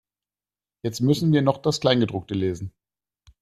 Jetzt müssen wir noch das Kleingedruckte lesen.